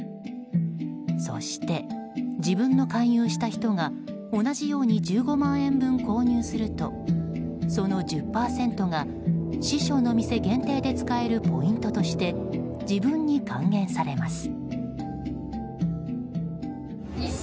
そして自分の勧誘した人が同じように１５万円分購入するとその１０％が師匠の店限定で使えるポイントとして自分に還元されます。